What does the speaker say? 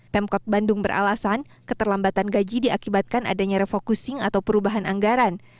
pemkot bandung beralasan keterlambatan gaji diakibatkan adanya refocusing atau perubahan anggaran